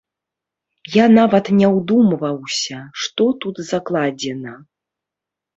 Я нават не ўдумваўся, што тут закладзена.